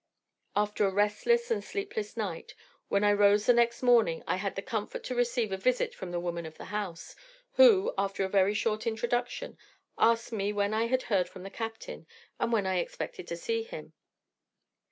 "After a restless and sleepless night, when I rose the next morning I had the comfort to receive a visit from the woman of the house, who, after a very short introduction, asked me when I had heard from the captain, and when I expected to see him?